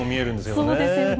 そうですよね。